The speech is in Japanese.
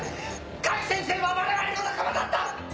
甲斐先生は我々の仲間だった！